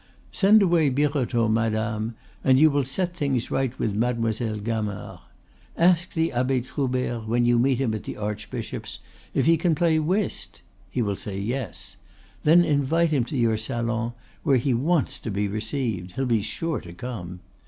Send away Birotteau, madame, and you will set things right with Mademoiselle Gamard. Ask the Abbe Troubert, when you meet him at the archbishop's, if he can play whist. He will say yes. Then invite him to your salon, where he wants to be received; he'll be sure to come.